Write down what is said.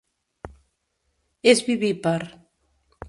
És vivípar.